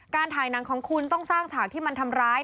ถ่ายหนังของคุณต้องสร้างฉากที่มันทำร้าย